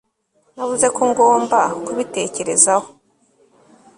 navuze ko ngomba kubitekerezaho